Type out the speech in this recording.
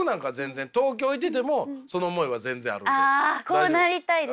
こうなりたいです。